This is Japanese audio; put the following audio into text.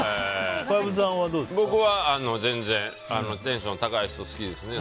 僕は全然テンション高い人、好きですね。